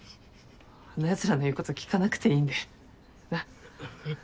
あんな奴らの言うこと聞かなくていいんでな？